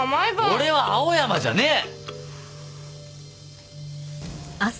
俺は青山じゃねえ。